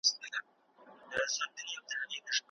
پانګوالو د ډېر وخت لپاره ظرفيتي اغېزې څېړلې.